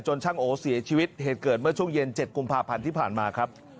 ช่างโอเสียชีวิตเหตุเกิดเมื่อช่วงเย็น๗กุมภาพันธ์ที่ผ่านมาครับ